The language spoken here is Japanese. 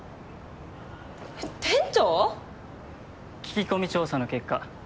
えっ店長⁉聞き込み調査の結果